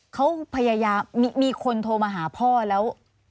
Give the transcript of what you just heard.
เขาพยายามมีคนโทรมาหาพ่อแล้ว